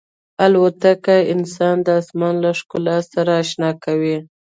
الوتکه انسان د آسمان له ښکلا سره اشنا کوي.